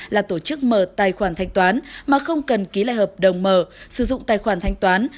là tổ chức mở tài khoản thanh toán mà không cần ký lại hợp đồng mở sử dụng tài khoản thanh toán